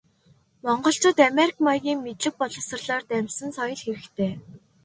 Монголчуудад америк маягийн мэдлэг боловсролоор дамжсан соёл хэрэгтэй.